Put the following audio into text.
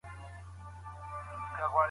ګاونډی هیواد نوی سفیر نه باسي.